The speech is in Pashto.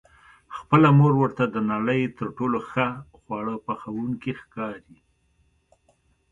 خپله مور ورته د نړۍ تر ټولو ښه خواړه پخوونکې ښکاري.